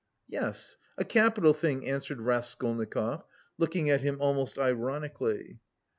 "Yes, a capital thing," answered Raskolnikov, looking at him almost ironically.